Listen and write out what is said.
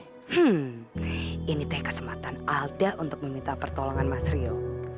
hmm ini kesempatan alda untuk meminta pertolongan mas rio